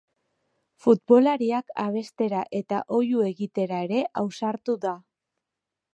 Futbolariak abestera eta oihu egitera ere ausartu da.